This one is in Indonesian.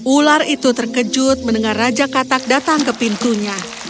ular itu terkejut mendengar raja katak datang ke pintunya